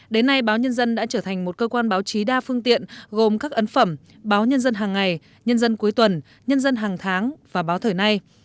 đến nay báo nhân dân đã trở thành một cơ quan báo chí đa phương tiện gồm các ấn phẩm báo nhân dân hàng ngày nhân dân cuối tuần nhân dân hàng tháng và báo thời nay